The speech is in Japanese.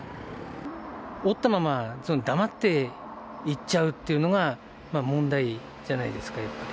折ったまま黙って行っちゃうっていうのが問題じゃないですか、やっぱり。